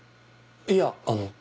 いやあの。